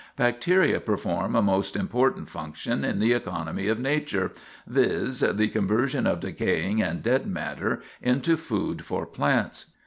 Bacteria perform a most important function in the economy of nature, viz., the conversion of decaying and dead matter into food for plants.